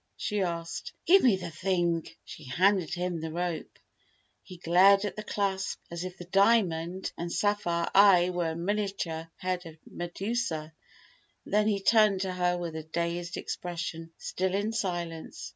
she asked. "Give me the thing!" She handed him the rope. He glared at the clasp as if the diamond and sapphire eye were a miniature head of Medusa. Then he turned to her with a dazed expression, still in silence.